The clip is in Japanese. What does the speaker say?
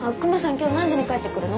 今日何時に帰ってくるの？